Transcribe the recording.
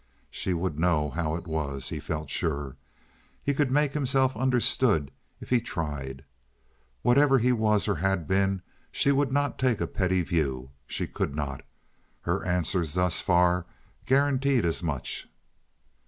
She would know how it was, he felt sure. He could make himself understood if he tried. Whatever he was or had been, she would not take a petty view. She could not. Her answers thus far guaranteed as much.